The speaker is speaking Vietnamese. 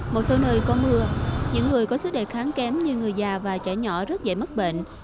một số nơi có mưa những người có sức đề kháng kém như người già và trẻ nhỏ rất dễ mất bệnh